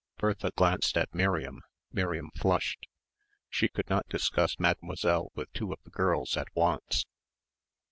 Bertha glanced at Miriam. Miriam flushed. She could not discuss Mademoiselle with two of the girls at once.